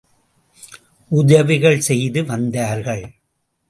உதவிகள் செய்து வந்தார்கள்.